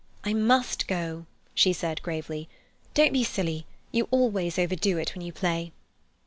"I must go," she said gravely. "Don't be silly. You always overdo it when you play."